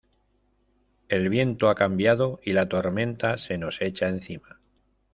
el viento ha cambiado y la tormenta se nos echa encima.